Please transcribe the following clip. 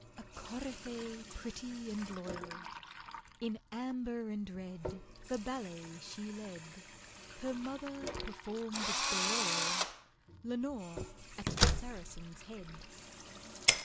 A coryphée, pretty and loyal, In amber and red The ballet she led; Her mother performed at the Royal, LENORE at the Saracen's Head.